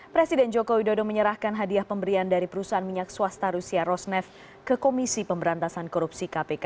presiden joko widodo menyerahkan hadiah pemberian dari perusahaan minyak swasta rusia rosnef ke komisi pemberantasan korupsi kpk